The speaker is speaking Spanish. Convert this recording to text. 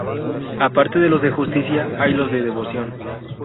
Aparte de los de Justicia hay los de Devoción.